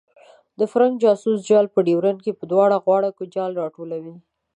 د فرنګ جاسوسي جال په ډیورنډ په دواړو غاړو کې جال راټولوي.